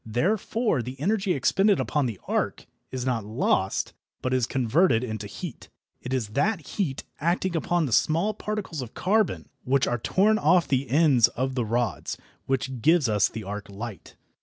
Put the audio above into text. Therefore the energy expended upon the arc is not lost, but is converted into heat. It is that heat, acting upon the small particles of carbon which are torn off the ends of the rods, which gives us the arc light.